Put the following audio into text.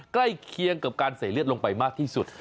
เคียงกับการใส่เลือดลงไปมากที่สุด